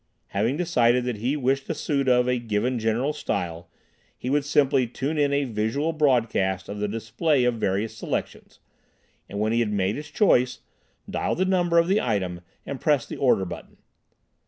Having decided that he wished a suit of a given general style, he would simply tune in a visual broadcast of the display of various selections, and when he had made his choice, dial the number of the item and press the order button.